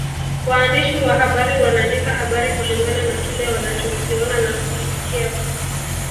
Waandishi wa habari wanaandika habari kulingana na kile wanachokiona na kukisikia